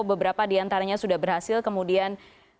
beberapa diantaranya sudah berhasil kemudian